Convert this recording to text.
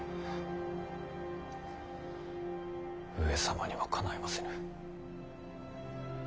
上様にはかないませぬ。